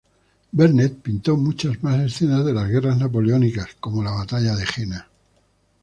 Vernet pintó muchas más escenas de las Guerras Napoleónicas, como la Batalla de Jena.